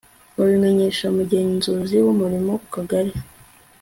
babimenyesha umugenzuzi w' umurimo kukagari